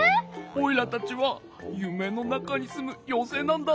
オイラたちはゆめのなかにすむようせいなんだ。